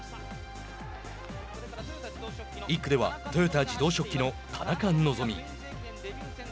１区では豊田自動織機の田中希実。